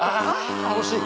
あ惜しい。